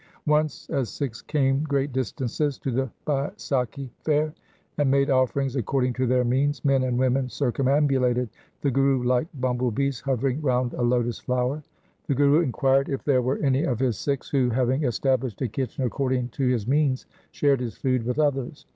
Once as Sikhs came great distances to the Baisakhi fair and made offerings according to their means, men and women circumambulated the Guru like bumble bees hovering round a lotus flower. The Guru inquired if there were any of his Sikhs who, having established a kitchen according to his means, shared his food with others.